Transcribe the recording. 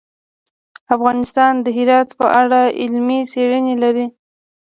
افغانستان د هرات په اړه علمي څېړنې لري.